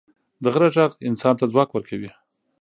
د غره ږغ انسان ته ځواک ورکوي.